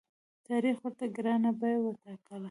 تاریخ ورته ګرانه بیه وټاکله.